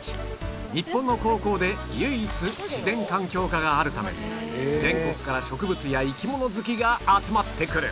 日本の高校で唯一自然環境科があるため全国から植物や生き物好きが集まってくる